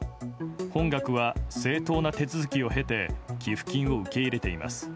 本学は正当な手続きを経て寄付金を受け入れています。